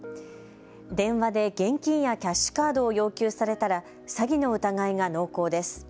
電話で現金やキャッシュカードを要求されたら詐欺の疑いが濃厚です。